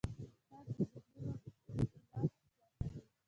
استاد د ذهنونو قفل خلاصوي.